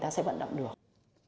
thực tế đã chứng minh